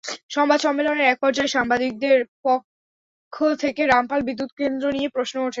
সংবাদ সম্মেলনের একপর্যায়ে সাংবাদিকদের পক্ষ থেকে রামপাল বিদ্যুৎকেন্দ্র নিয়ে প্রশ্ন ওঠে।